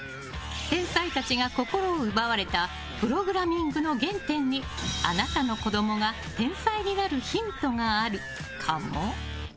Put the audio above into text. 天才たちが心を奪われたプログラミングの原点にあなたの子供が天才になるヒントがあるかも。